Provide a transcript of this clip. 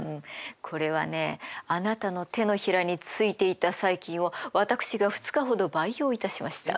これはねあなたの手のひらについていた細菌を私が２日ほど培養いたしました。